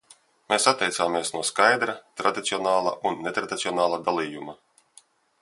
Mēs atteicāmies no skaidra, tradicionāla un netradicionāla dalījuma.